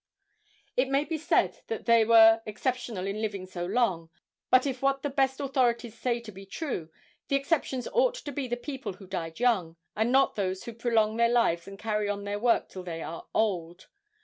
It may be said that they were exceptional in living so long, but if what the best authorities say be true, the exceptions ought to be the people who died young, and not those who prolong their lives and carry on their work till they are old.